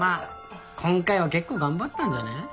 今回は結構頑張ったんじゃね？